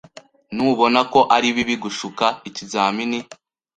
Ntubona ko ari bibi gushuka ikizamini?